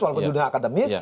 walaupun dunia akademis